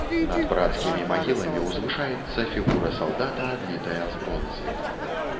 Над брацкімі магіламі ўзвышаецца фігура салдата, адлітая з бронзы.